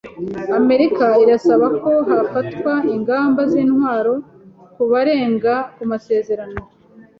Amerika irasaba ko hafatwa ingamba z’intwaro ku barenga ku masezerano